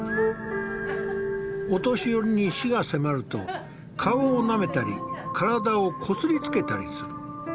お年寄りに死が迫ると顔をなめたり体をこすりつけたりする。